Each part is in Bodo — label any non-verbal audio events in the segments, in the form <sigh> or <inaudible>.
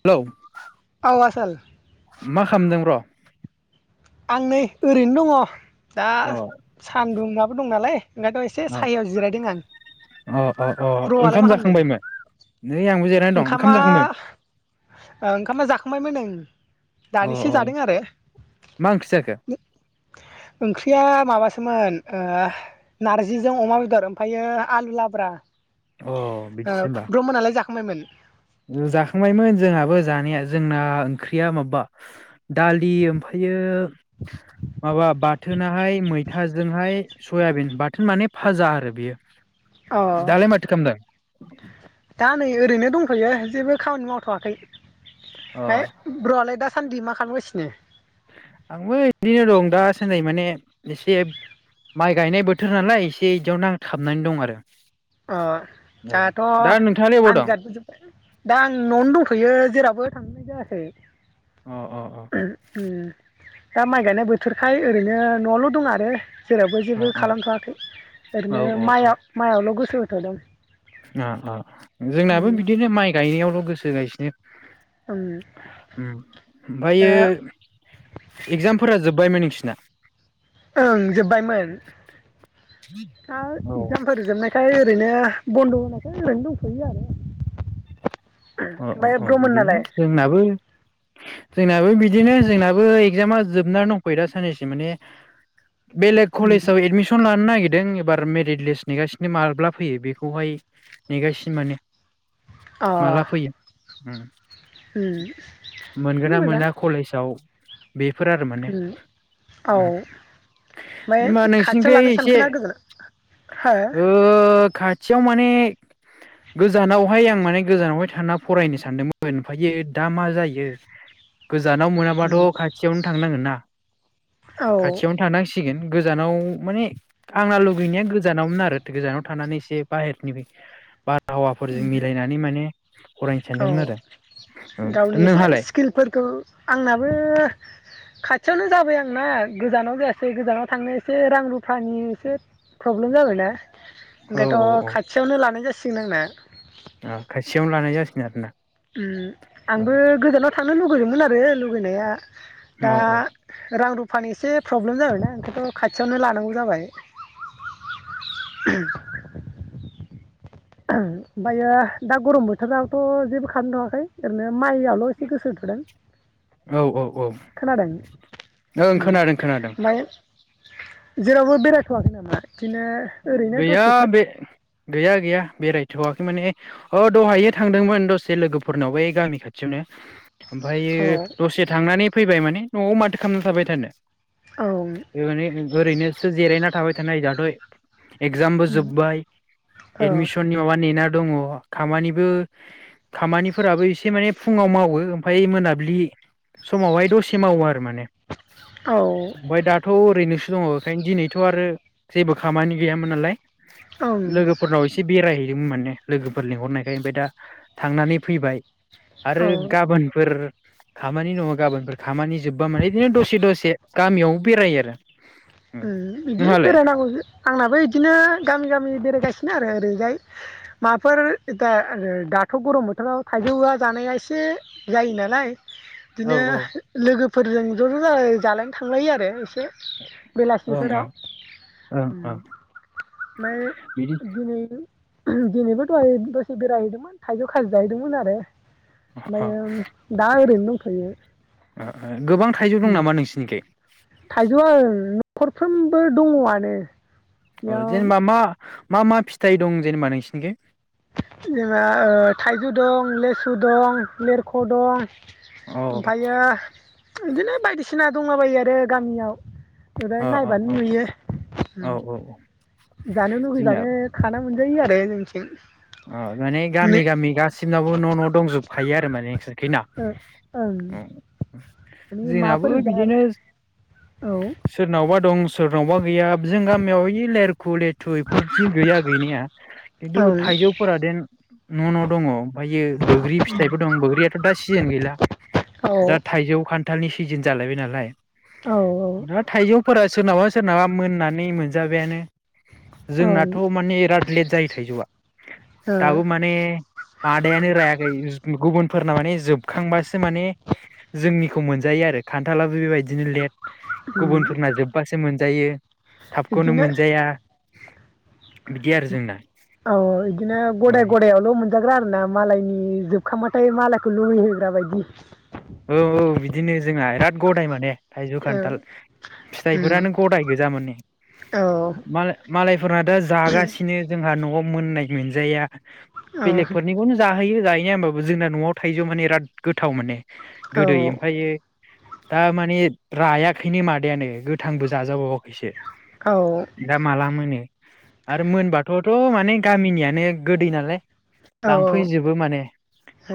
हेलौ अ आसोल मा खालामदों? आं नै ओरैनो दङ दा अ सान्दुं दं नालाय ओंखायनो' एसे अ सायायाव जिरायदों आं अ अ अ ब्र'आलाय ओंखाम मा जाखांबायमोन नै आंबो जिरायनानै खालामदों दं ओंखाम ओंखामा जाखांबाय ओ ओंखामा जाखांबायमोन आं अ दानिसो अ जादों आरो मा ओंखि जाखो? ओंख्रिया माबासोमोन ओ नारजिजों अमा बेदर ओमफ्रायायो आलु लाब्रा। अ ओ बिदिसो होमबा ब्र मोनालाय जा <unintelligible> मोन जाखांबायमोन जोंहाबो जानाया जोंना ओंख्रिया माबा दालि ओमफ्रायो <inaudible> माबा बाथोनाहाय मैथाजोंहाय सयाबिन बाथोन माने फाजा आरो बेयो अ दालाय माथो खालामदों? <inaudible> दा नै ओरैनो दंथ'यो जेबो खामानि मावथ'वाखै अ <unintelligible> ब्र आलायदा सान्दि मा खालामगासिनो? आंबो बिदिनो दं दासानदै माने एसे माइ गायनाय बोथोर नालाय एसे बिदियावनो आं थाबनानै दं आरो अ औ दाथ' दा नोंथाङालाय अबाव दं आनजादबोजोबथबाय दा आं न'आवनो दंथ'यो जेरावबो थांनाय जायाखै अ अ अ उ दा माइ गायनाय बोथोरखाय ओरैनो न'आवल' दं आरो जेरावबो अ जेबो अ खालामथ'वाखै औ ओरैनो माइ माइआवल' गोसो सु थदोंं अ अ जोंनाबो बिदिनो माइ गायनायावल' गोसोगायसिनो उ दा ओमफायो <inaudible> ना ओं जोब्बायमोन दा अ इगजामफोर जोबनायखाय ओरैनो बन्द' होन दा ओरैनो दोंथयो आरो अ अ ओमफ्राय अ बे ब्रमोननालाय जोंनाबो जोंनाबो बिदिनो जोंनाबो एगजामा जोबनानै दंफैयो दा साननैसो माने बेलेग कलेजाव एडमिसन लानो नागिर दों एबार मेरिट लिस्ट नेगासिनो माब्ला फैयो बेखौहाय नेगासिनो माने अ ओम मोनगोना मोजां मोना कलेसआव बेफोर आरो माने औ ओमफ्राय उम <unintelligible> मा खाथियाव नोंसिनिखै लानो एसे सानखोना गोजानाव हो ओ खाथियाव माने गोजानावहाय आं माने गोजानावहाय थाना फरायनो सानदोंमोन ओमफायो दा मा जायो। गोजानाव मोनाबाथ' खाथियावनो थां नांगोन ना। औ खाथियावनो थानांसिगोन। गोजानाव माने आंना लुुबैनाया गोजानावमोन आरो गोजानाव थानानै एसे बाहेरनिबो बा हावाफोरजों मिलायनानै माने फरायनो औ सानदोंमोन आरो औ गावनि दा एसे नोंहालाय स्किलफोरखौ आंनाबो खाथि <unintelligible> नो जाबाय आंना गोजानाव जायासै गोजानाव थांनो एसे रां रुफानि एसे प्रब्लेम जाबायना। औ औ ओंखायथ' खाथियावनो लानाय जासि <unintelligible> ओ खाथियावनो लानाय जासिगोन आरो ना? उम आंबो गोजानाव थांनो लुब <unintelligible> मोन आरो लुगैनाया। औ दा रां रुफ फानि एसे प्रब्लेम जाबायना ओंखायथ' खाथियावनो लानांगौ जाबाय। ओमफायो दा गरम बोथोरावथ' जेबो खालामथ'ङाखै ओरैनो माइआवल' एसे गोसो होथोदों औ औ औ खोनादों ओं उम खोनादों खोनादों फाय जेरावबो बेरायथ'आखै नामा? बिदिनो ओरैनो गैया दसेफोर? बे गैया गैया बेरायथ'आखै माने अ दहायो थांदोंमोन दसे लोगोफोरनाव बे गामि खाथियावनो। औ ओमफ्रायो दसे थांनानै फैबाय माने न'आव माथो खालामना थाबाय थानो। <unintelligible> ओरैनो सो जिरायना थाबाय थानाय जा <unintelligible> एगजामबो जोब्बाय औ एडमिसननि माबा नेना दङ खामानिबो खामानिफोराबो एसे माने फुङाव मावो ओमफाय मोनाब्लि समावहाय दसे मावो आरो माने। औ ओमफाय दाथ' ओरैनोसो दङ इखायनो दिनैथ' आरो जेबो खामानि गैयामोन नालाय औ लोगोफोरनाव एसे बेरायहै दों माने लोगोफोर लिंहरनायखाय ओमफाय दा थांनानै फैबाय। आरो औ गाबोनफोर खामानि दङ गाबोनफोर खामानि <unintelligible> माने बिदिनो दसे दसे गामियावबो बेरायो आरो। <unintelligible> बिदि नोंहालाय बेरायनांगौसो। आंनाबो बिदिनो गामि -गामि बेरायगासिनो आरो ओरैजाय माबाफोर दा दाथ' गरम बोथोराव थाइजौआ जानाया एसे जायो नालाय। बिदिनो ओं ओं लोगो <unintelligible> ज' ज' जाजाय जालायनो थांलायो आरो एसे। बेलासिफोराव ओं ओं ओमफ्राय बिदि दिनै दिनैबो दहाय दसे बेरायहैदोंमोन थाइजौ खाजि जाहैदोंमोन आरो। ओमफ्रायो दा ओरैनो दंथ'यो गोबां थाइजौ दं नामा नोंसिनिखै? थाइजौआ ओं। नखरफ्रोमबो दङआनो। औ बेयाव जेनबा मा मा मा फिथाइ दं जेनेबा नोंसिनिखै? जेनबा थाइजौ दं, लेसु दं, लेरख' दं अ ओमफ्रायो बिदिनो बायदिसिना दंला बायो आरो गामियाव। ओजाय अ अ नायबानो अ नुयो औ औ औ जानो लुुबैजानो जोंनियाबो खानांगौ। मोनजायो आरो जोंनिथिं अ माने नो गामि गामि गासिमनावबो न' न' दंजोबखायो आरो माने नोंसोर ओ ओं। माने जोंनाबो माबाफोर जा बिदिनो औ सोरनावबा दं सोरनावबा गैया बि जों गामियाव <unintelligible> <unintelligible> लेटु बेफोरदि गैया गैनाया खिन्थु ओं थाइजौफोरादेन न' न' दङ। ओमफ्रायो बैग्रि फिथाइबो दं बैग्रियाथ' दा सिजोन गैला औ दा औ थाइजौ खान्थालनि सिजन जालायबाय नालाय। औ ओं ना थाइजौफोरा सोरोनाबा सोरनाबा मोननानै मोनजाबायानो। ओ उम जोंनाथ' माने बिराद लेट जायो थाइजौआ दाबो माने मादायानो रायाखै। <unintelligible> गुबुनफोरना माने जोबखांबासो माने जोंनिखौ मोनजायो आरो खान्थालाबो बेबायदिनो लेट गुबुनफोरना जोब्बासो मोनजायो। थाबखौनो बिदिनो मोनजाया बिदि आरो जोंना अ इदिनो औ गदाय गादायावल' मोनजाग्रा आरोना मालायनि जोबखांबाथाय मालायखौ लुबैहोग्रा बायदि औ औ बिदिनो जोंहा बिराद गदाय माने। थाइजौ औ खान्थाल उम फिथाइफोरानो गदाय गोजा माने औ मालाय मालाय फोर दा जागासिनो जोंहा न'आव मोननाय मोनजाया। औ बेलेगफोरनिखौनो जाहोयो। जाहैनाया होमबाबबो जोंना नआव थायजौा माने बिराद गोथाव माने गोदै ओमफायो दा माने रायाखैनो मादायानो गोथांबो जाजाबावाखैसो। औ औ दा माला मो नो आरो मोनबाथथ माने गामिनियानो गोदै नालाय औ ओं लांफैजोबो माने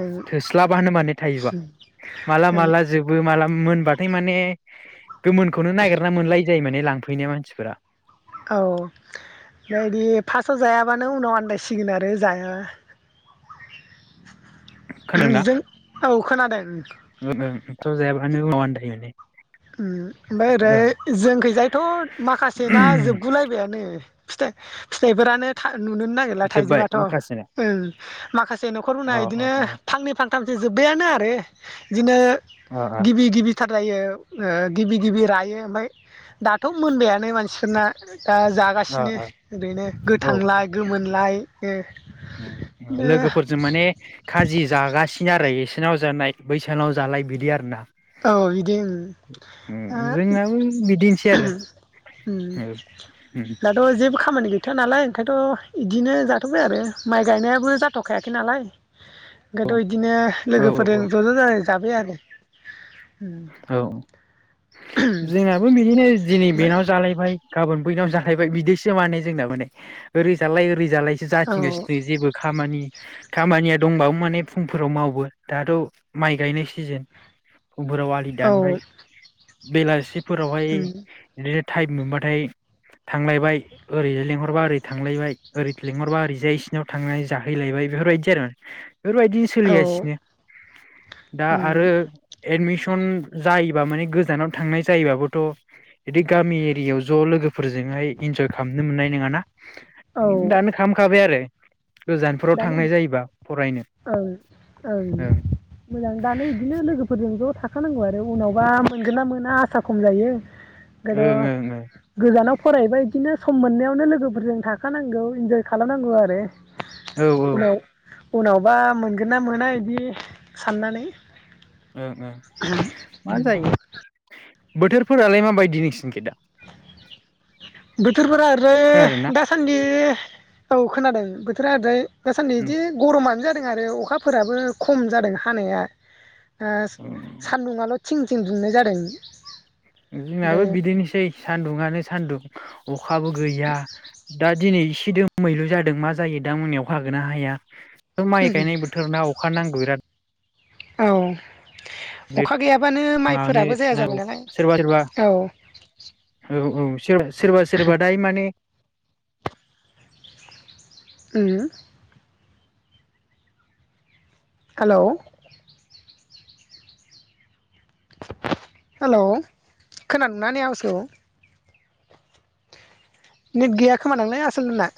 औ थोस्लाबानो माने थाइजौआ ओमफ्राय माला माला जोबो माला मोनबाथाय माने गोमोनखौनो नागिरना मोनलाय जायो माने लांफैनाया मानसिफोरा। नैदि फासआव जायाबानो उनाव आनदायसिगोन आरो जाया खोनादों ना जों औ खोनादों <unintelligible> थ जायाबानो उनाव आनदायो माने उम ओमफाय ओरै ओं जोंखैजायथ माखासे ना जोबगुलायबायानो। फिथा फिथाइफोरानो था नुनोनो नागिरला जोब्बाय थाइजौआथ माखासेना ओं माखासे नखरफोना अ अ इदिनो फांनै फांथामसो जोब्बायानो आरो। इदिनो अ गिबि गिबिथार जायो ओ गिबि गिबि रायो ओमफ्राय दाथ मोनबायानो मानसिफोरना। दा अ जागासिनो अ ओरैनो गोथांलाय गोमोनलाय। <unintelligible> उम लोगोफोरजों माने खाजि जागासिनो आरो इसे नाव जानाय बैसानाव जालाय बिदि आरो ना। औ इदि उम ओ जोंनाबो बिदिनोसै आरो उम औ दाथ जेबो खामानि गैथवा नालाय ओंखायनोथ इदिनो जाथबाय आरो माइ गायनायाबो जाथखायाखै नालाय। ओंखायथ इदिनो औ लोगोफोरजों औ ज ज जाजाय जाबाय आरो। औ। ओमफ्राय जोंहाबो बिदिनो दिनै बेनाव जालायबाय गाबोन बैनाव जाहैबाय बिदिसो माने जोंनाबो नै ओरै जालाय ओरै ज जालायसो औ जाथिंगासिनो जेबो खामानि खामानिया दंबाबो माने फुंफोराव मावो दाथ माइ गायनाय सिजोन फुंफोराव औ दानबाय बेलासि फोरावहाय इदिनो थाइम मोनबाथाय थांलायबाय ओरैजाय लेंहरबा ओरै थांलायबाय ओरै लेंहरबा ओरैजाय इसिरनाव थां जाहैलायबाय बेफोरबायदि आरो। बेफोरबायदि औ सोलिगासिनो दा आरो एडमिस सन जायोबा माने गोजानाव थांनाय जायोबाबोथ' बिदि गामि एरियायाव ज लोगोफोरजोंहाय इन्जय खालामनो मोननाय नोङाना। दानो खाम खाबाय आरो। गोजानफोराव दा थांनाय जायोबा फरायनो ओं ओं मोजां दानो इदिनो लोगोफोरजों ज' था खानांगौ आरो उनावबा मोनगोना मोना आसा खम जायो। गोद ओं ओं ओं गोजानाव फरायबा इदिनो सम मोननायावनो लोगोफोरजों थाखानांगौ इन्जय खालामनांगौ आरो औ । उनाव। उनावबा मोनगोन ना मोना बिदि साननानै ओ ओ मा जायो। बोथोरफोरालाय माबायदि नोंसि निखि दा? बद। थोरफोरा बोरै खोनादोंना? दासान्दि औ खोनादों बोथोरा ओरैजाय। दासान्दि इदि गरमानो जा जादों आरो अखाफोराबो खम जादों हानाया ओ सान्दुङाल' थिं थिं दुंनाय जादों। जोंनाबो बिदिनोसै सान्दुंआनो सान्दुं। अखाबो गैया दा। दा दिनै इसे दोमैलु जादों मा जायो दा मोनायाव अखा हागोना हाया। माइ ओमफ्राय गायनाय बोथोर ना अखा नांगौ बिराद। औ। अखा गैयाबानो दोद मानो माइफोराबो जाया जाबाय नांगौ नालाय सोरबा सोरबा औ औ औ सोरबा सोरबा दाय माने। ओम हेलौ हेलौ खोनादोंना आंनि आवासखौ नेट गैया खोमा दांलै आसोल मोनना